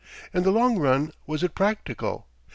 In the long run, was it practical?